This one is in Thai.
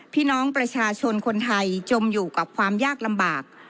พี่น้องประชาชนคนไทยจมอยู่กับความยากลำบาก